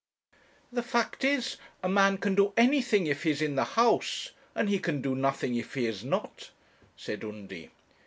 'The fact is, a man can do anything if he is in the House, and he can do nothing if he is not,' said Undy.